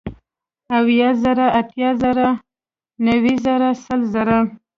اويه زره ، اتيا زره نوي زره سل زره